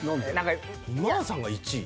今田さんが１位？